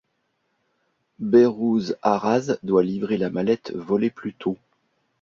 Behrooz Araz doit livrer la mallette volée plus tôt.